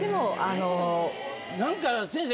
何か先生